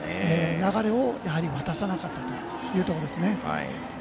流れを渡さなかったというところですね。